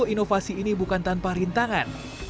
inovasi ini bukan tanpa rintangan